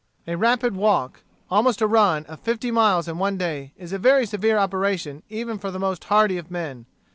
A rapid walk, almost a run, of fifty miles in one day, is a very severe operation even for the most hardy of men.